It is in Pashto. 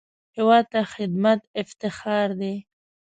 هېواد ته خدمت افتخار دی